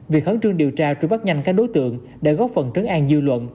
việc khẩn trương điều tra truy bắt nhanh các đối tượng đã góp phần trấn an dư luận